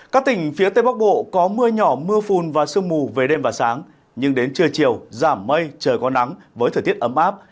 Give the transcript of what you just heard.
các tỉnh phía tây bắc bộ có mưa nhỏ mưa phùn và sương mù về đêm và sáng nhưng đến trưa chiều giảm mây trời có nắng với thời tiết ấm áp